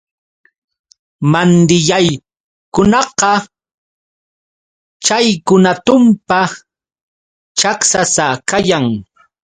Mandilllaykunaqa chaykuna tumpa chaksasa kayan.